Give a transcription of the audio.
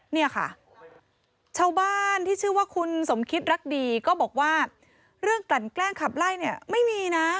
เนี่ยค่ะชาวบ้านที่ชื่อว่าคุณสมคิดรักดีก็บอกว่าเรื่องกลั่นแกล้งขับไล่เนี่ยไม่มีนะ